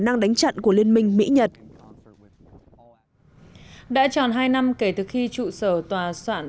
năng đánh chặn của liên minh mỹ nhật đã tròn hai năm kể từ khi trụ sở tòa soạn